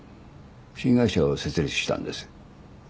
新会社を設立したんです。